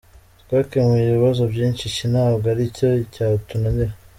Twakemuye ibibazo byinshi iki ntabwo ari cyo cyatunanira.